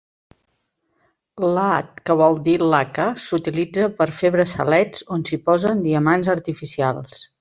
"Laad", que vol dir "laca", s'utilitza per fer braçalets on s'hi posen diamants artificials.